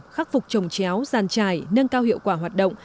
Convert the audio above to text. khắc phục trồng chéo giàn trài nâng cao hiệu quả hoạt động